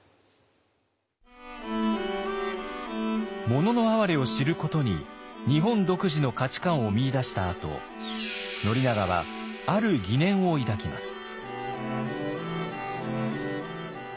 「もののあはれ」を知ることに日本独自の価値観を見いだしたあと宣長はある疑念を抱きます。